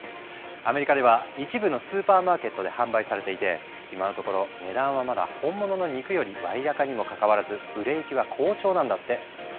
アメリカでは一部のスーパーマーケットで販売されていて今のところ値段はまだ本物の肉より割高にもかかわらず売れ行きは好調なんだって。